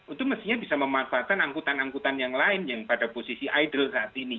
itu mestinya bisa memanfaatkan angkutan angkutan yang lain yang pada posisi idle saat ini